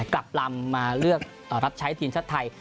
กลับลำมาเลือกรับใช้ทีมชาติไทย